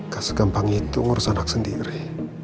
gak segampang itu ngurus anak sendiri